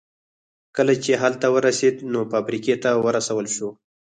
کله چې هلته ورسېد نو فابريکې ته ورسول شو.